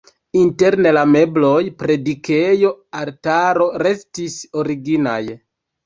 Interne la mebloj, predikejo, altaro restis originaj.